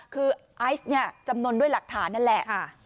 คือไอซ์เนี่ยจำนวนด้วยหลักฐานนั่นแหละ